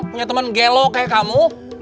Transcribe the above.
punya teman gelo kayak kamu